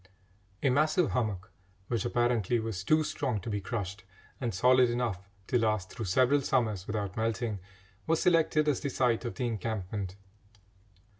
A massive hummock, which apparently was too strong to be crushed, and solid enough to last through several summers without melting, was selected as the site of the encampment.